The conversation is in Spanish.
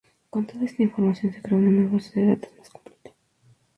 Con toda esa información se crea una nueva base de datos más completa.